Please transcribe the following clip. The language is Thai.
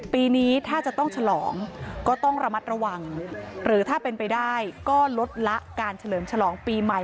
ปีนี้ถ้าจะต้องฉลองก็ต้องระมัดระวังหรือถ้าเป็นไปได้ก็ลดละการเฉลิมฉลองปีใหม่